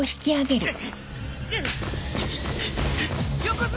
横綱！